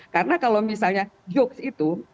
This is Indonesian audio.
karena kalau misalnya jokes itu